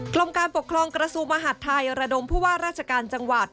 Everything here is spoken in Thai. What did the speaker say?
กรมการปกครองกระทรวงมหาดไทยระดมผู้ว่าราชการจังหวัด